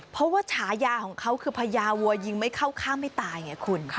เพราะว่าฉายาของเขาคือพญาวัวยิงไม่เข้าข้างไม่ตายไงคุณ